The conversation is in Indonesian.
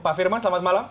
pak firman selamat malam